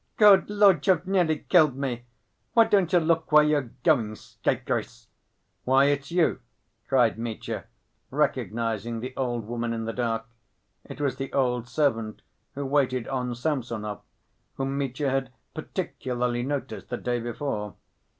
"Good Lord, you've nearly killed me! Why don't you look where you're going, scapegrace?" "Why, it's you!" cried Mitya, recognizing the old woman in the dark. It was the old servant who waited on Samsonov, whom Mitya had particularly noticed the day before.